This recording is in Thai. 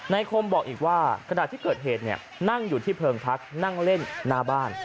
คมบอกอีกว่าขณะที่เกิดเหตุนั่งอยู่ที่เพิงพักนั่งเล่นหน้าบ้าน